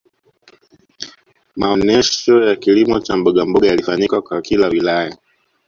maonesho ya kilimo cha mbogamboga yalifanyika kwa kila wilaya